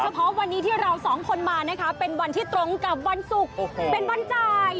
เพราะวันนี้ที่เราสองคนมานะคะเป็นวันที่ตรงกับวันศุกร์เป็นวันจ่าย